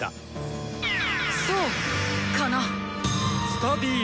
そうかな？